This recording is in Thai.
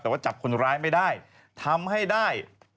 แต่ว่าจับคนร้ายไม่ได้ทำให้ได้